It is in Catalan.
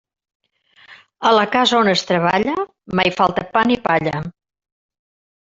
A la casa on es treballa, mai falta pa ni palla.